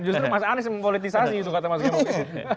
justru mas anies mempolitisasi itu kata mas gembong